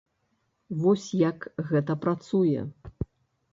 Вось як гэта працуе.